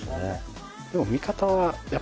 でも。